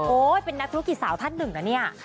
เป็นนักธุรกิจสาวท่านหนึ่งนะเนี่ย